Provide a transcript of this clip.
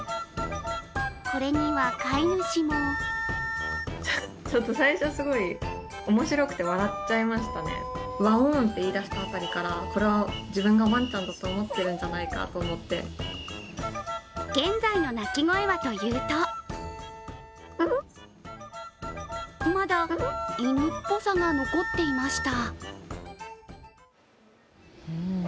これには飼い主も現在の鳴き声はというとまだ犬っぽさが残っていました。